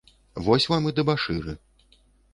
Вось вам і дэбашыры.